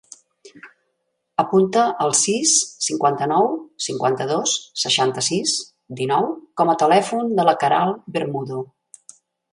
Apunta el sis, cinquanta-nou, cinquanta-dos, seixanta-sis, dinou com a telèfon de la Queralt Bermudo.